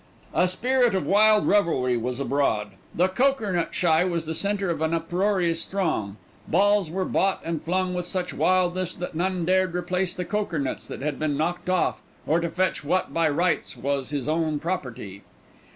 A spirit of wild revelry was abroad. The cokernut shy was the centre of an uproarious throng. Balls were bought and flung with such wildness that none dared to replace the cokernuts that had been knocked off, or to fetch what by rights was his own property.